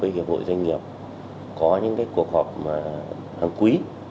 với hiệp hội doanh nghiệp có những cuộc họp hàng quý